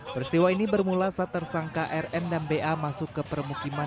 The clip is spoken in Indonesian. peristiwa ini bermula saat tersangka rm dan ba masuk ke permukiman